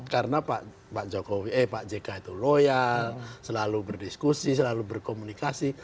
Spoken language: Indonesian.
karena pak jk itu loyal selalu berdiskusi selalu berkomunikasi